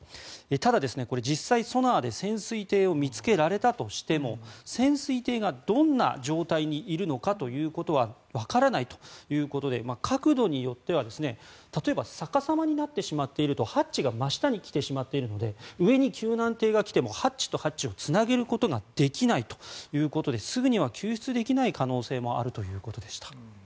ただ、実際にソナーで潜水艇を見つけられたとしても潜水艇がどんな状態にいるのかということはわからないということで角度によっては例えば逆さまになってしまっているとハッチが真下に来てしまっているので上に救難艇が来てもハッチとハッチをつなげることができないということですぐには救出できない可能性もあるということでした。